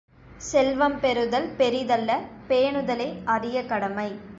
செல்வம் பெறுதல் பெரிதல்ல பேனுதலே அரிய கடமை.